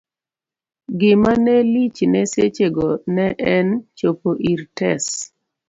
gima ne lichne seche go ne en chopo ir Tess